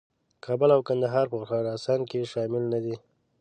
کابل او کندهار په خراسان کې شامل نه دي.